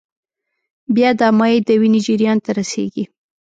بیا دا مایع د وینې جریان ته رسېږي.